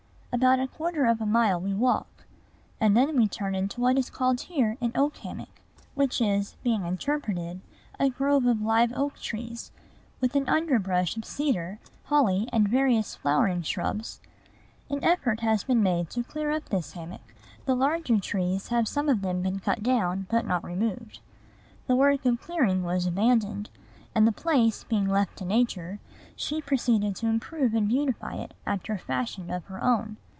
About a quarter of a mile we walk: and then we turn in to what is called here an oak hammock; which is, being interpreted, a grove of live oak trees, with an underbrush of cedar, holly, and various flowering shrubs. An effort has been made to clear up this hammock. The larger trees have some of them been cut down, but not removed. The work of clearing was abandoned; and, the place being left to Nature, she proceeded to improve and beautify it after a fashion of her own.